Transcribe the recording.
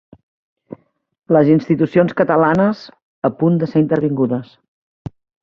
Les institucions catalanes a punt de ser intervingudes